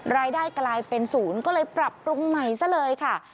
รายได้กลายเป็นศูนย์ก็เลยปรับปรุงใหม่ซะเลยค่ะ